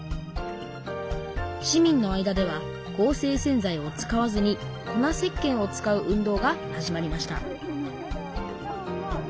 市民の間では合成洗剤を使わずに粉せっけんを使う運動が始まりました